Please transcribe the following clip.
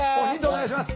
お願いします。